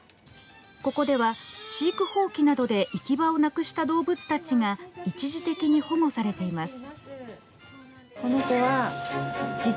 ここでは、飼育放棄などで行き場をなくした動物たちが一時的に保護されています。